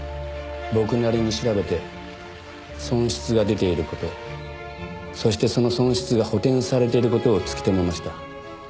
僕なりに調べて損失が出ている事そしてその損失が補填されている事を突き止めました。